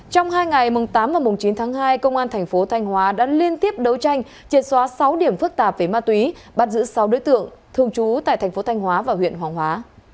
trong hai ngày mùng tám và mùng chín tháng hai công an thành phố thanh hóa đã liên tiếp đấu tranh triệt xóa sáu điểm phức tạp về ma túy bắt giữ sáu đối tượng thường trú tại thành phố thanh hóa và huyện hoàng hóa